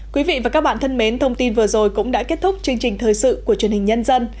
quý vị và các bạn thân mến thông tin vừa rồi cũng đã kết thúc chương trình thời sự của truyền hình nhân dân